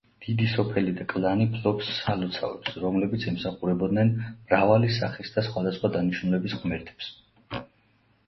დიდი სოფელი და კლანი ფლობს სალოცავებს, რომლებიც ემსახურებოდნენ მრავალი სახის და სახვადასხვა დანიშნულების ღმერთებს.